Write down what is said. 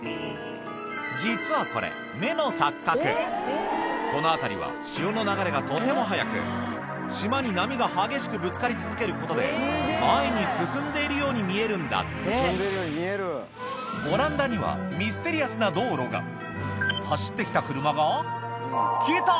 実はこれこの辺りは潮の流れがとても速く島に波が激しくぶつかり続けることで前に進んでいるように見えるんだってオランダにはミステリアスな道路が走って来た車が消えた！